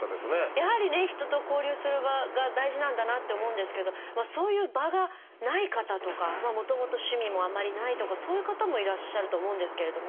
やはりね人と交流する場が大事なんだなって思うんですけどそういう場がない方とかもともと趣味もあんまりないとかそういう方もいらっしゃると思うんですけれども。